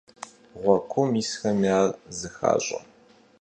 Гъуэ куум исхэми ар зыхащӀэ.